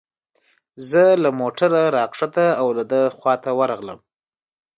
زه له موټره را کښته او د ده خواته ورغلم.